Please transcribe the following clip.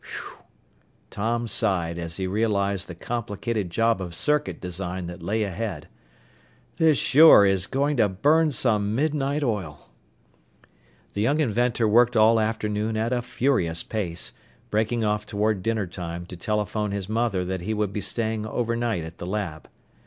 "Whew!" Tom sighed as he realized the complicated job of circuit design that lay ahead. "This sure is going to burn some midnight oil!" The young inventor worked all afternoon at a furious pace, breaking off toward dinnertime to telephone his mother that he would be staying overnight at the lab.